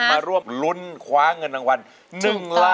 มาร่วมลุ้นคว้ายเงินทางวันจึงต่อ